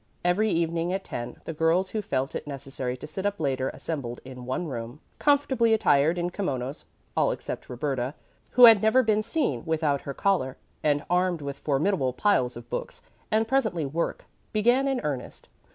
Every evening at ten the girls who felt it necessary to sit up later assembled in one room, comfortably attired in kimonos all except Roberta, who had never been seen without her collar and armed with formidable piles of books; and presently work began in earnest.